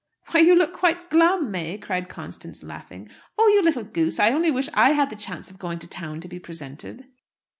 "Why, you look quite glum, May!" cried Constance laughing. "Oh, you little goose! I only wish I had the chance of going to town to be presented."